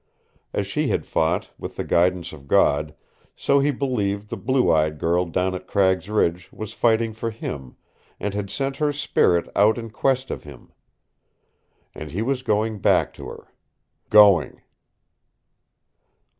As she had fought, with the guidance of God, so he believed the blue eyed girl down at Cragg's Ridge was fighting for him, and had sent her spirit out in quest of him. And he was going back to her. GOING!